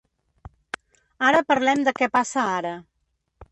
Ara parlem de què passa ara.